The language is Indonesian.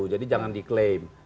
jadi jangan diklaim